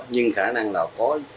nhưng khả năng là có